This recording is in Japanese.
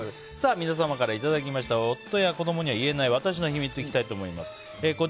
皆様からいただきました夫や子供には言えない私の秘密いきたいと思います。